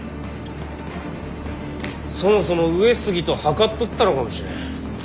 そもそも上杉と謀っとったのかもしれん。